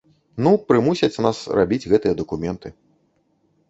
Ну, прымусяць нас рабіць гэтыя дакументы.